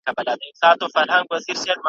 خیا لي جوړه آ ینده ده هم تیریږ ي